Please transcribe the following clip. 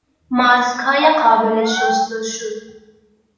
ماسکهای قابل شستشو